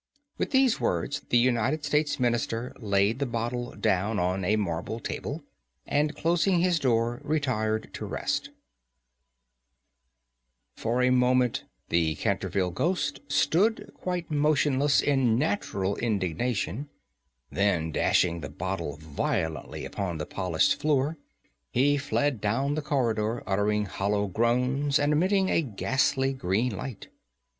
With these words the United States Minister laid the bottle down on a marble table, and, closing his door, retired to rest. [Illustration: "I REALLY MUST INSIST ON YOUR OILING THOSE CHAINS"] For a moment the Canterville ghost stood quite motionless in natural indignation; then, dashing the bottle violently upon the polished floor, he fled down the corridor, uttering hollow groans, and emitting a ghastly green light.